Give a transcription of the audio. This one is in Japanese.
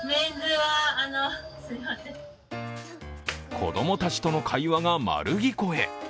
子供たちとの会話が丸聞こえ。